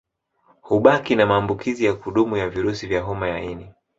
Hubaki na maambukizi ya kudumu ya virusi vya homa ya ini